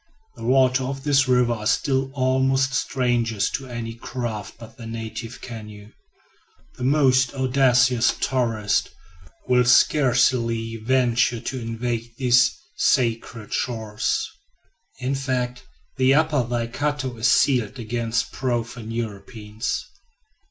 The waters of this river are still almost strangers to any craft but the native canoe. The most audacious tourist will scarcely venture to invade these sacred shores; in fact, the Upper Waikato is sealed against profane Europeans.